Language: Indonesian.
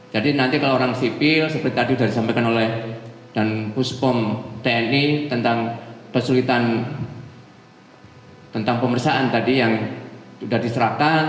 jadi nanti kalau orang sibil seperti tadi sudah disampaikan oleh dan puspom tni tentang kesulitan tentang pemersaan tadi yang sudah diserahkan